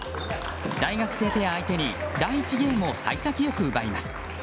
大学生ペア相手に第１ゲームを幸先良く奪います。